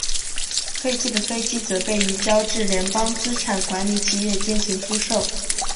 废弃的飞机则被移交至联邦资产管理企业进行出售。